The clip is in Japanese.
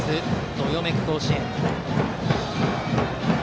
どよめく甲子園。